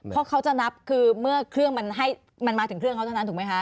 เพราะเขาจะนับคือเมื่อเครื่องมันให้มันมาถึงเครื่องเขาเท่านั้นถูกไหมคะ